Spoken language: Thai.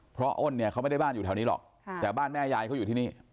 เพราะอ้นเนี่ยเขาไม่ได้บ้านอยู่แถวนี้หรอกแต่บ้านแม่ยายเขาอยู่ที่นี่